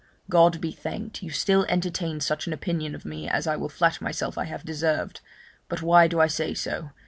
God be thanked, you still entertain such an opinion of me as I will flatter myself I have deserved; but why do I say so?